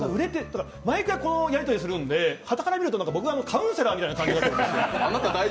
毎回このやり取りするんで、端から見たら僕がカウンセラーみたいな感じが出てくるんですよ。